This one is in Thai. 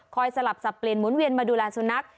สลับสับเปลี่ยนหมุนเวียนมาดูแลสุนัข